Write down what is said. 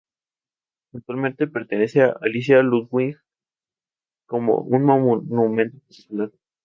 Actualmente perteneciente a Alicia Ludwig como un monumento particular.